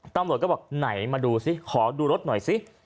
ตำรวจก็บอกไหนมาดูสิขอดูรถหน่อยสิ